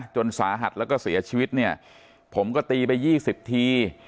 จนสาหัสแล้วก็เสียชีวิตเนี่ยผมก็ตีไป๒๐ที